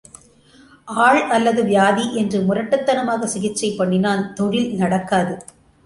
ஆள் அல்லது வியாதி என்று முரட்டுத் தனமாகச் சிகிச்சை பண்ணினால், தொழில் நடக்காது.